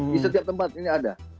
di setiap tempat ini ada